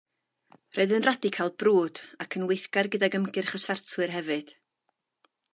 Roedd yn Radical brwd ac yn weithgar gydag ymgyrch y Siartwyr hefyd.